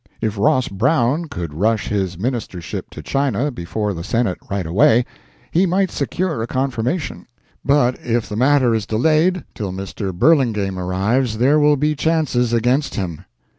If Ross Browne could rush his Ministership to China before the Senate right away, he might secure a confirmation; but if the matter is delayed till Mr. Burlingame arrives there will be chances against him.